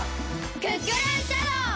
クックルンシャドー！